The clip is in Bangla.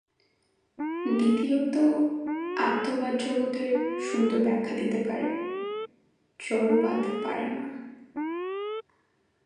দ্বিতীয়ত আত্মবাদ জগতের সুন্দর ব্যাখ্যা দিতে পারে, জড়বাদ পারে না।